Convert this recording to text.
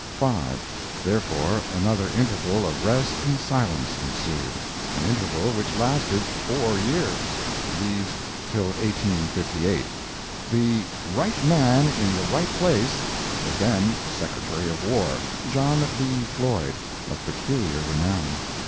5. Therefore another interval of rest and silence ensued an interval which lasted four years viz till 1858. The "right man in the right place" was then Secretary of War John B. Floyd, of peculiar renown!